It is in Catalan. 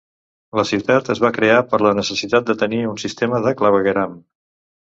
La ciutat es va crear per la necessitat de tenir un sistema de clavegueram.